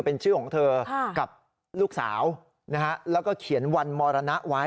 เป็นชื่อของเธอกับลูกสาวนะฮะแล้วก็เขียนวันมรณะไว้